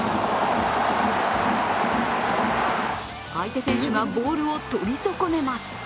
相手選手がボールを取り損ねます。